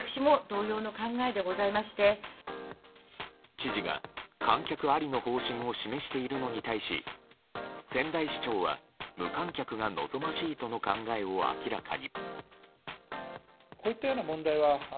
知事が観客ありの方針を示しているのに対し仙台市長は、無観客が望ましいとの考えを明らかに。